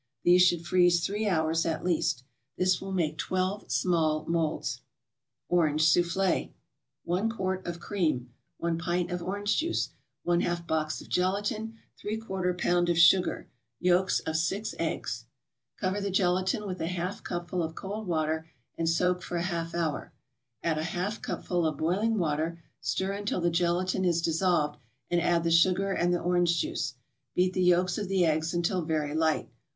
These should freeze three hours at least. This will make twelve small molds. ORANGE SOUFFLÉ 1 quart of cream 1 pint of orange juice 1/2 box of gelatin 3/4 pound of sugar Yolks of six eggs Cover the gelatin with a half cupful of cold water and soak for a half hour. Add a half cupful of boiling water, stir until the gelatin is dissolved, and add the sugar and the orange juice. Beat the yolks of the eggs until very light.